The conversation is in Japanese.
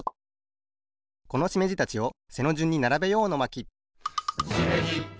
このしめじたちを背のじゅんにならべよう！の巻